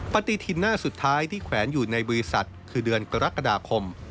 ปฏิทินหน้าสุดท้ายที่แขวนอยู่ในบริษัทคือเดือนกรกฎาคม